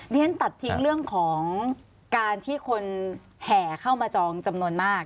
ฉันตัดทิ้งเรื่องของการที่คนแห่เข้ามาจองจำนวนมาก